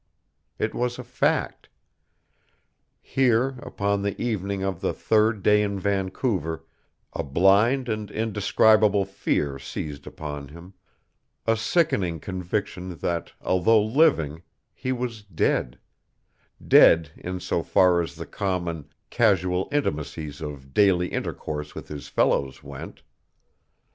It was a fact. Here, upon the evening of the third day in Vancouver, a blind and indescribable fear seized upon him, a sickening conviction that although living, he was dead, dead in so far as the common, casual intimacies of daily intercourse with his fellows went.